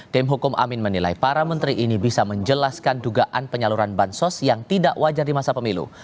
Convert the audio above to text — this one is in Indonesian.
tim hukum amin menilai para menteri ini bisa menjelaskan dugaan penyaluran bansos yang tidak wajar di masa pemilu